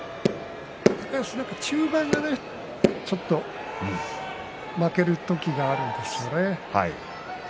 高安は中盤がちょっと負ける時があるんですね。